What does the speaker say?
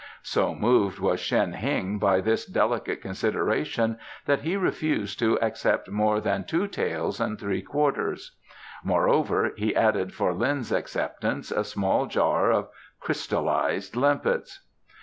So moved was Shen Heng by this delicate consideration that he refused to accept more than two taels and three quarters. Moreover, he added for Lin's acceptance a small jar of crystallized limpets.